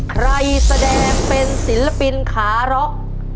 ใครแสดงเป็นศิลปินขาล็อค